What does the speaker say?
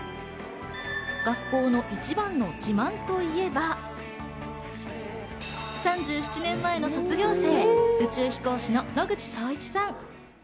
学校の一番の自慢といえば、３７年前の卒業生、宇宙飛行士の野口聡一さん。